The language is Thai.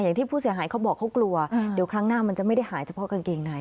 อย่างที่ผู้เสียหายเขาบอกเขากลัวเดี๋ยวครั้งหน้ามันจะไม่ได้หายเฉพาะกางเกงใน